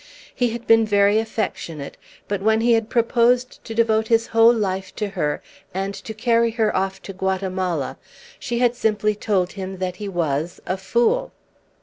He had been very affectionate, but when he had proposed to devote his whole life to her and to carry her off to Guatemala she had simply told him that he was a fool.